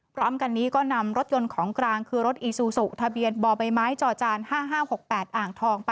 พร้อมกันนี้ก็นำรถยนต์ของกลางคือรถอีซูซูทะเบียนบ่อใบไม้จอจาน๕๕๖๘อ่างทอง๘